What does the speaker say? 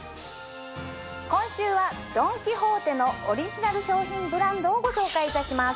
今週はドン・キホーテのオリジナル商品ブランドをご紹介いたします。